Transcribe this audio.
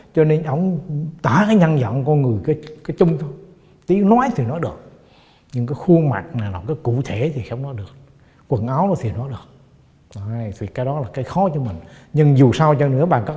cho nên tôi phắn tôi nhanh là nó hỏa ra là tôi phắn xuống nước